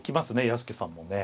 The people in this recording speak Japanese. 屋敷さんもね。